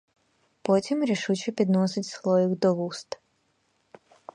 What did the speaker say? Потім рішуче підносить слоїк до вуст.